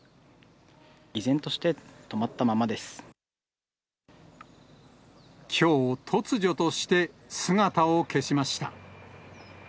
依然として、止まったままできょう、突如として姿を消しました。